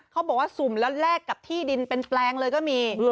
เขาบอกว่าสุ่มแล้วแลกกับที่ดินเป็นแปลงเลยก็มี